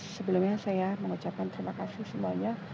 sebelumnya saya mengucapkan terima kasih semuanya